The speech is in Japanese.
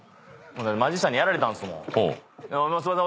マジシャンにやられたんすもん。